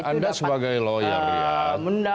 bukan anda sebagai lawyer ya